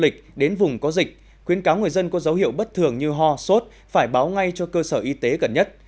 khó dịch khuyến cáo người dân có dấu hiệu bất thường như ho sốt phải báo ngay cho cơ sở y tế gần nhất